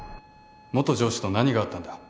元上司と何があったんだ？